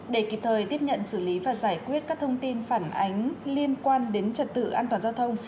để kịp thời tiếp nhận xử lý và giải quyết các thông tin phản ánh liên quan đến trật tự an toàn giao thông